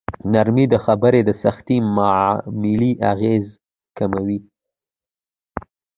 نرمې خبرې د سختې معاملې اغېز کموي.